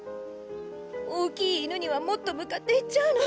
大きい犬にはもっと向かっていっちゃうの。